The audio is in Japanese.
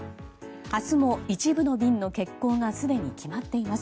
明日も一部の便の欠航がすでに決まっています。